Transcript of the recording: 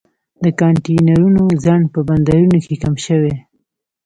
د کانټینرونو ځنډ په بندرونو کې کم شوی